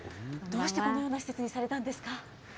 どうしてこのような施設にされたんですか。